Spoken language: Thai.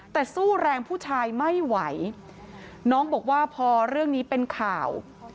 แต่สู้แรงผู้ชายไม่ไหวน้องบอกว่าพอเรื่องนี้เป็นข่าว